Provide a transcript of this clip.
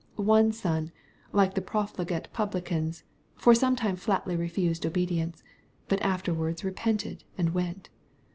One son, like the profligate publicans, for some time flatly refused obedience, but afterwards repented and went.